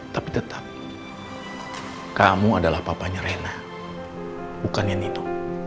tapi tetap kamu adalah papanya rena bukannya nino